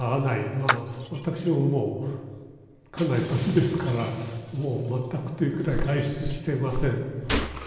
まあ私ももうかなり年ですからもう全くというくらい外出してません。